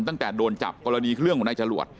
ตั้งแต่โดนจับกรณีเรื่องของนายจรวด